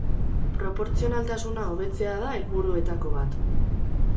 Proportzionaltasuna hobetzea da helburuetako bat.